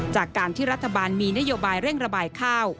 จากการที่รัฐบาลมีนโยบายเร่งระบายข้าว